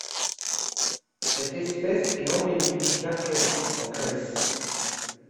Cette espèce est endémique d'Arcadie en Grèce.